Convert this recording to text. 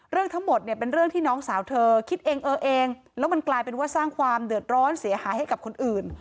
เรื่องทั้งหมดเนี่ยเป็นเรื่องที่น้องสาวเธอคิดเองเออเองแล้วมันกลายเป็นว่าสร้างความเดือดร้อนเสียหายให้กับคนอื่น